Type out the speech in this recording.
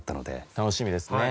楽しみですね。